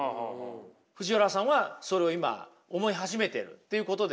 藤原さんはそれを今思い始めてるっていうことですよね。